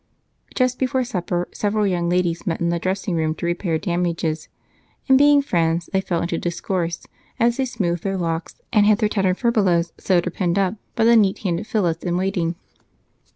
Just before supper several young ladies met in the dressing room to repair damages and, being friends, they fell into discourse as they smoothed their locks and had their tattered furbelows sewed or pinned up by the neat handed Phillis in waiting.